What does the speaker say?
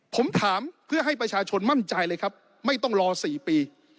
ผมถามเพื่อให้ประชาชนมั่นใจเลยครับไม่ต้องรอ๔ปี